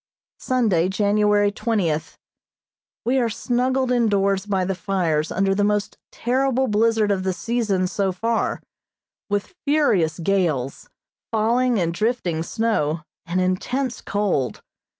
Sunday, January twentieth: We are snuggled indoors by the fires under the most terrible blizzard of the season so far, with furious gales, falling and drifting snow, and intense cold.